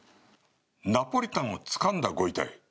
ナポリタンをつかんだご遺体？